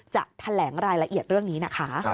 จะแถลงรายละเอียดเรื่องนี้นะคะ